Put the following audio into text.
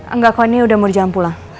enggak koini udah mau di jalan pulang